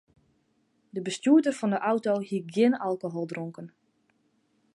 De bestjoerder fan de auto hie gjin alkohol dronken.